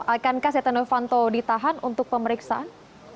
akankah setia novanto ditahan untuk pemeriksaan